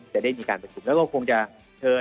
จะได้มีการประชุมแล้วก็คงจะเชิญ